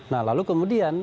nah lalu kemudian